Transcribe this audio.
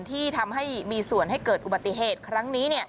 ที่ทำให้มีส่วนให้เกิดอุบัติเหตุครั้งนี้